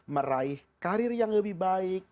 meraih karir yang lebih baik